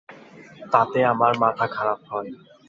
তাতে আমার মাথা খারাপ হয়।